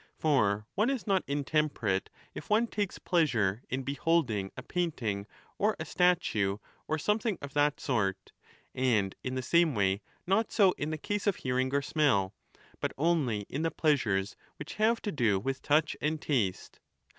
For one is not intemperate if one takes pleasure in beholding a painting or a statue or something of that sort, and in the same way not so in the case of hearing or smell ; but only in the pleasures which have to do with touch and taste.